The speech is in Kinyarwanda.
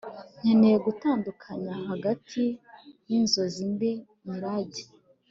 nkeneye gutandukanyahagati yinzozi mbi, mirage